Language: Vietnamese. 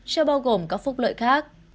cho bao gồm các phúc lợi khác